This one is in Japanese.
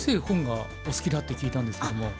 本がお好きだって聞いたんですけども。